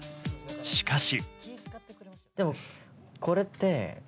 しかし。